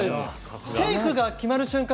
シェイクが決まる瞬間